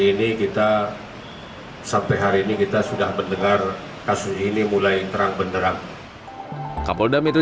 ini kita sampai hari ini kita sudah mendengar kasus ini mulai terang benderang kapolda metro